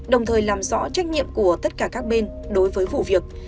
đồng thời làm rõ trách nhiệm của tất cả các bên đối với vụ việc